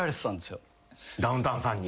ダウンタウンさんに。